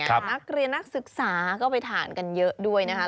นักเรียนนักศึกษาก็ไปทานกันเยอะด้วยนะคะ